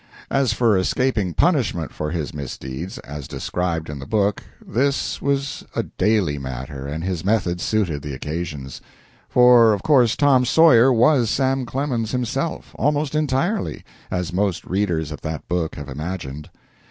As for escaping punishment for his misdeeds, as described in the book, this was a daily matter, and his methods suited the occasions. For, of course, Tom Sawyer was Sam Clemens himself, almost entirely, as most readers of that book have imagined.